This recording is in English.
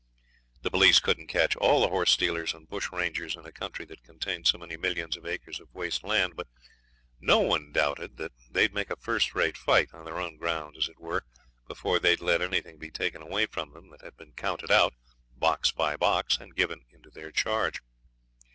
The police couldn't catch all the horse stealers and bush rangers in a country that contained so many millions of acres of waste land; but no one doubted that they would make a first rate fight, on their own ground as it were, and before they'd let anything be taken away from them that had been counted out, box by box, and given into their charge.